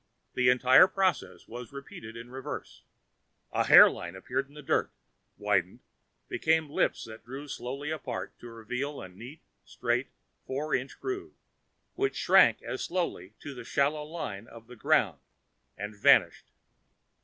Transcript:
The entire process was repeated in reverse. A hairline appeared in the dirt widened became lips that drew slowly apart to reveal the neat straight four inch groove which shrank as slowly to a shallow line of the ground and vanished.